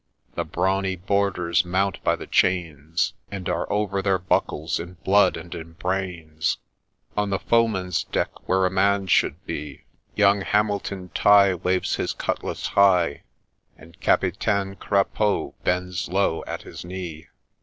— The brawny boarders mount by the chains, And are over their buckles in blood and in brains : On the foeman's deck, where a man should be, Young Hamilton Tighe Waves his cutlass high, And Capitaine Crapaud bends low at his knee.